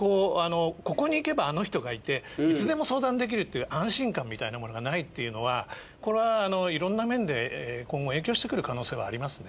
ここに行けばあの人がいていつでも相談できるっていう安心感みたいなものがないっていうのはこれはいろんな面で今後影響してくる可能性はありますね。